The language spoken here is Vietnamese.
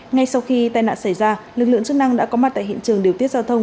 ngay sau khi tai nạn xảy ra lực lượng chức năng đã có mặt tại hiện trường điều tiết giao thông